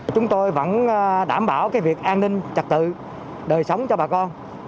chúng tôi vẫn đảm bảo việc an ninh trật tự đời sống cho bà con